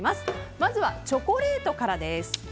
まずはチョコレートからです。